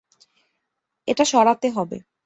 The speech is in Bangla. এটা সরাতে হবে।